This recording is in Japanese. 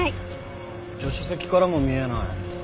助手席からも見えない。